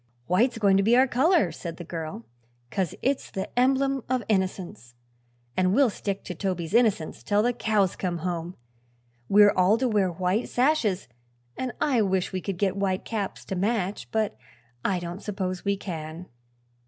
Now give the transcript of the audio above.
"White's going to be our color," said the girl, "'cause it's the emblem of innocence, and we'll stick to Toby's innocence till the cows come home. We're all to wear white sashes, and I wish we could get white caps to match; but I don't suppose we can."